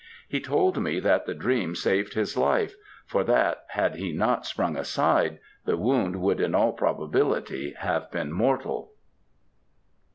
He told me that the dream saved his life; for that, had he not sprung aside, the wound would in all probability have been mortal."